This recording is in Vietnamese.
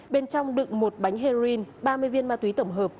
bên trong đựng một bánh heroin ba mươi viên ma túy tổng hợp